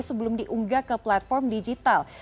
sebelum diunggah ke platform digital